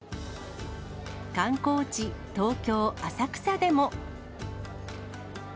観光地、東京・浅草でも。